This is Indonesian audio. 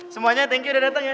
semuanya thank you udah dateng ya